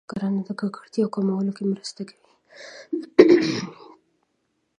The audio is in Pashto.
کرنه د ککړتیا کمولو کې مرسته کوي.